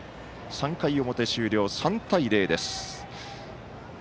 ３回表終了、３対０です。